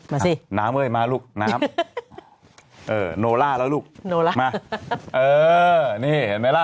มาสิน้ำเอ้ยมาลูกน้ำเออโนล่าแล้วลูกโนล่ามาเออนี่เห็นไหมล่ะ